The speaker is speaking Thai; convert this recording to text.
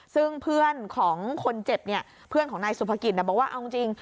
ซึ่งเพื่อนของคนเจ็บเนี่ยเพื่อนของนายสุภกิจบอกว่าเอาจริง